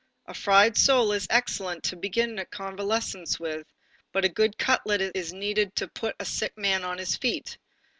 A fried sole is excellent to begin a convalescence with, but a good cutlet is needed to put a sick man on his feet."